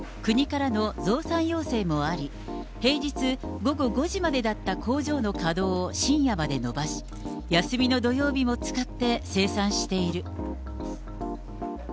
国からの増産要請もあり、平日午後５時までだった工場の稼働を深夜まで延ばし、休みの土曜日も使って、生産している。